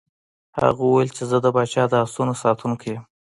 هغه وویل چې زه د پاچا د آسونو ساتونکی یم.